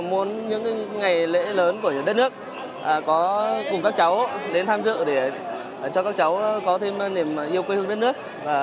tôi muốn những ngày lễ lớn của đất nước có cùng các cháu đến tham dự để cho các cháu có thêm niềm yêu quê hương đất nước